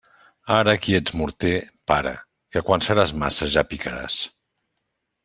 Ara qui ets morter, para; que quan seràs maça ja picaràs.